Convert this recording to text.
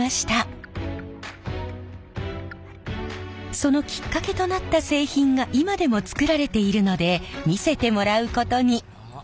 そのきっかけとなった製品が今でも作られているので見せてもらうことに。